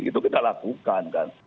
itu kita lakukan kan